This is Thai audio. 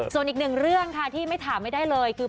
ส่วนอีกหนึ่งเรื่องค่ะที่ไม่ถามไม่ได้เลยคือ